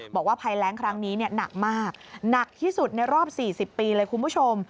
บอกว่าภัยแรงครั้งนี้หนักมากหนักที่สุดในรอบ๔๐ปีเลยคุณผู้ชม